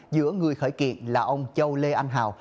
giữa người khởi kiện là ông châu lê anh hào